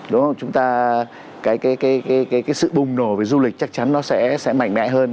đúng không chúng ta cái sự bùng nổ về du lịch chắc chắn nó sẽ mạnh mẽ hơn